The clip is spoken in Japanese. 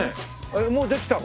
あれもうできた？